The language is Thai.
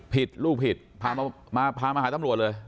ผิดลูกผิดพามาหาตำรวจเลย